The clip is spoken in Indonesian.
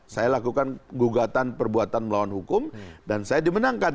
saya lakukan gugatan perbuatan melawan hukum dan saya dimenangkan